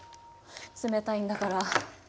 冷たいんだから。